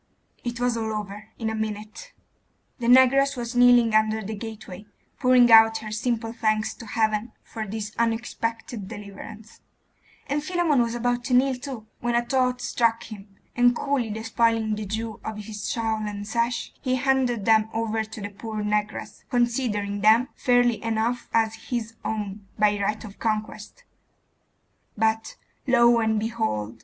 It was all over in a minute.... The negress was kneeling under the gateway, pouring out her simple thanks to Heaven for this unexpected deliverance; and Philammon was about to kneel too, when a thought struck him; and coolly despoiling the Jew of his shawl and sash, he handed them over to the poor negress, considering them fairly enough as his own by right of conquest; but, lo and behold!